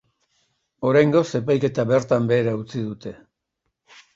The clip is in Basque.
Oraingoz, epaiketa bertan behera utzi dute.